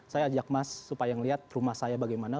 saya ajak mas supaya ngeliat rumah saya bagaimana